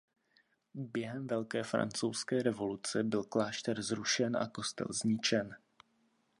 Během Velké francouzské revoluce byl klášter zrušen a kostel zničen.